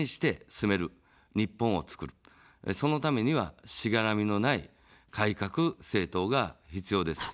そのためには、しがらみのない改革政党が必要です。